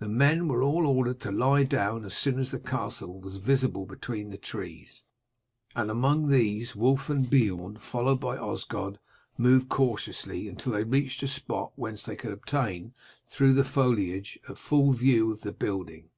The men were all ordered to lie down as soon as the castle was visible between the trees, and among these Wulf and Beorn followed by Osgod moved cautiously, until they reached a spot whence they could obtain through the foliage a full view of the building.